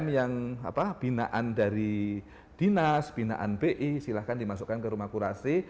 yang binaan dari dinas binaan bi silahkan dimasukkan ke rumah kurasi